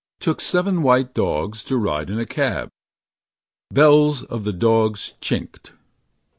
Took seven white dogs To ride in a cab. Bells of the dogs chinked.